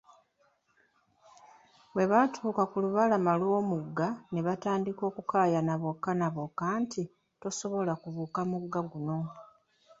Bwe baatuuka ku lubalama lw'omugga, ne batandika okukaayana bokka na bokka nti, tosobola kubuuka mugga guno!